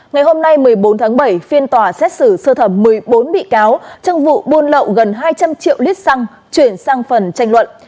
ngày hôm nay một mươi bốn tháng bảy phiên tòa xét xử sơ thẩm một mươi bốn bị cáo trong vụ buôn lậu gần hai trăm linh triệu lít xăng chuyển sang phần tranh luận